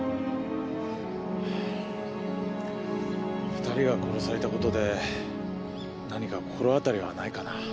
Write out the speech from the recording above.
２人が殺されたことで何か心当たりはないかな？